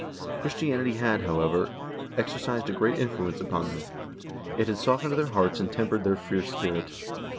Christianity had, however, exercised a great influence upon them. It had softened their^earts and tempered their fierce spirit.